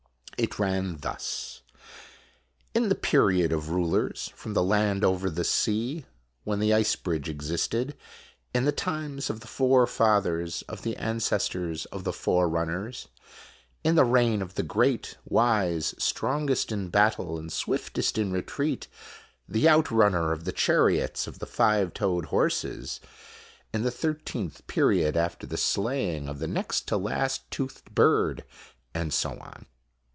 It ran thus: "In the period of rulers from the land over the sea, when the ice bridge existed, in the times of the forefathers of the an cestors of the forerunners ; in the reign of the great, wise, strongest in battle and swiftest in retreat, the outrunner of the chariots of the five toed horses, in the thirteenth period after the slaying of the next to last toothed bird " and so on.